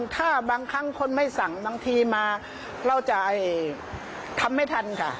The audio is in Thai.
ถ้าบางครั้งคนไม่สั่งบางทีมาเราจะทำไม่ทันค่ะ